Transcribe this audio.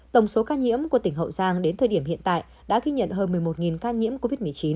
tổng số ca nhiễm của tỉnh hậu giang đến thời điểm hiện tại đã ghi nhận hơn một mươi một ca nhiễm covid một mươi chín